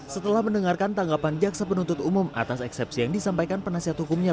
setelah mendengarkan tanggapan jaksa penuntut umum atas eksepsi yang disampaikan penasihat hukumnya